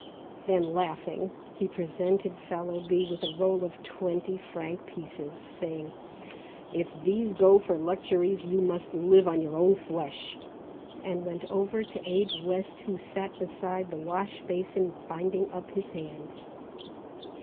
Then laughing, he presented Fallowby with a roll of twenty franc pieces saying: "If these go for luxuries you must live on your own flesh," and went over to aid West, who sat beside the wash basin binding up his hand.